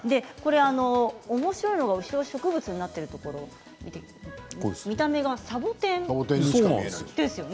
おもしろいのが後ろの植物になっているところ見た目がサボテンですよね。